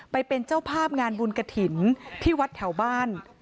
ไปเป็นเจ้าภาพงานบุญกระถิ่นที่วัดแถวบ้าน